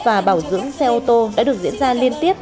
và bảo dưỡng xe ô tô đã được diễn ra liên tiếp